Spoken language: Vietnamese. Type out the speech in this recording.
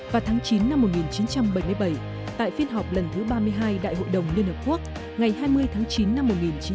vào tháng chín năm một nghìn chín trăm bảy mươi bảy tại phiên họp lần thứ ba mươi hai đại hội đồng liên hợp quốc ngày hai mươi tháng chín năm một nghìn chín trăm tám mươi hai